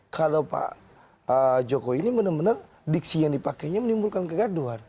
kalau pak jokowi ini benar benar diksi yang dipakainya menimbulkan kegaduhan